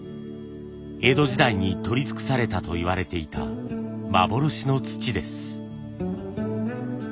江戸時代に採り尽くされたといわれていた幻の土です。